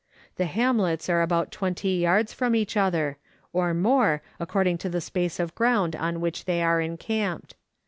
The hamlets are about twenty yards from each other, or more, according to the space of ground on which they are encamped.